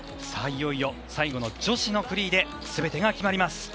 いよいよ最後の女子のフリーで全てが決まります。